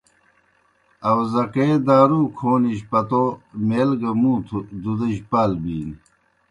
آؤزکے دارُو کھونِجیْ پتوْ میل گہ مُوتھوْ دُدِجیْ پال بِینیْ۔